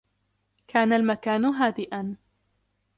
كان المكان هادئاً.